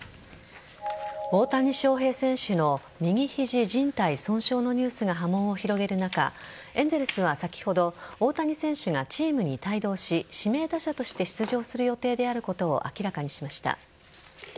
大谷翔平選手の右肘靭帯損傷のニュースが波紋を広げる中エンゼルスは先ほど大谷選手がチームに帯同し指名打者として出場する予定であることを明らかにしました。